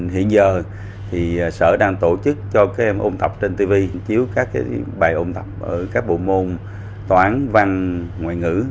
hiện giờ thì sở đang tổ chức cho các em ôn tập trên tv chiếu các bài ôn tập ở các bộ môn toán văn ngoại ngữ